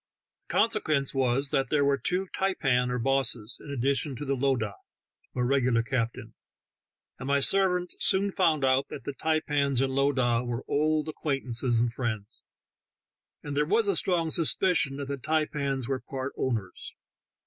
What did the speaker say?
The consequence was that there 16 THE TALKING HANDKERCHIEF. were two taipans (bosses) in addition to the low dah, or regular eaptain, and my servant soon found out that the taipans and lowdah were old aequaintanees and friends, and there was a strong suspicion that the taipans were part owners.